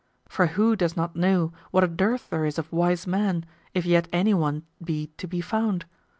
For who does not know what a dearth there is of wise men, if yet any one be to be found?